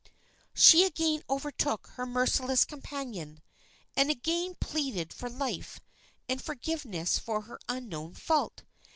She again overtook her merciless companion, and again pleaded for life and forgiveness for her unknown fault.